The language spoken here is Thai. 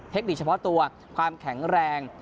เทคนิคเฉพาะตัวความแข็งแรง